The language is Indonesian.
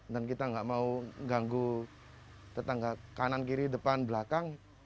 dan kita nggak mau ganggu tetangga kanan kiri depan belakang